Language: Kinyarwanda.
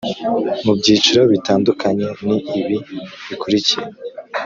mu byiciro bitandukanye Ni ibi bikurikira